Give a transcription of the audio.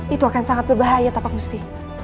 itu akan sangat berbahaya tapak musti